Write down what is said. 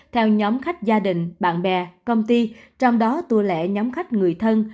theo nhóm khách gia đình bạn bè công ty trong đó tour lẻ nhóm khách người thân